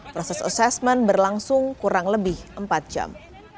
proses asesmen berlangsung kurang lebih empat jam